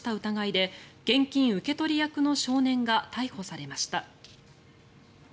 疑いで現金受け取り役の少年が逮捕されました。